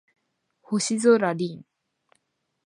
星空凛